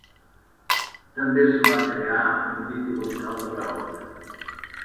També se'n va crear un vídeo musical de paròdia.